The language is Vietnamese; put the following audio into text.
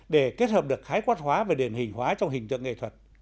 để kết hợp được khái quát hóa và điển hình hóa trong hình tượng nghệ thuật